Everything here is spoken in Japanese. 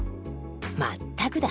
全くだ。